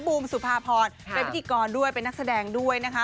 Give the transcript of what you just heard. บูมสุภาพรเป็นพิธีกรด้วยเป็นนักแสดงด้วยนะคะ